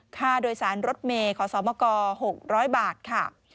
ค่าโดยสารรถเมฆขอสอบประกอบ๖๐๐บาทค่ะ